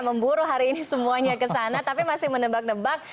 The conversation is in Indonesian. memburu hari ini semuanya kesana tapi masih menebak nebak